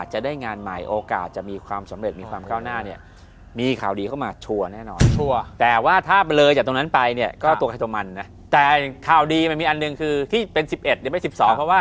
ตั้งแต่นี่แหละครับ